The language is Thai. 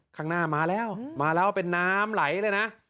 ข้างหน้ามาแล้วมาแล้วเป็นน้ำไหลเลยนะ